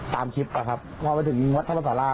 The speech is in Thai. ตามคลิปนะครับพอไปถึงวัดธรรมศาลา